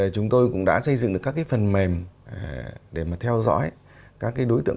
chúng tôi cũng đã xây dựng được các phần mềm để theo dõi các đối tượng